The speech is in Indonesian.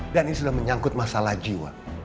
dan ini sudah menyangkut masalah jiwa